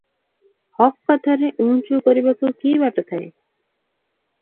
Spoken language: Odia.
ହକ୍ କଥାରେ ଉଁ ଚୁ କରିବାକୁ କି ବାଟ ଥାଏ?